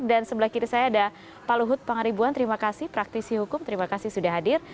dan sebelah kiri saya ada pak luhut pangaribuan terima kasih praktisi hukum terima kasih sudah hadir